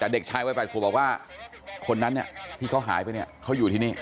แต่เด็กชายไว้แบบกูบอกว่าคนนั้นที่เขาหายไปเขาอยู่ทีนี้